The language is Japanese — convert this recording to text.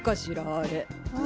あれ。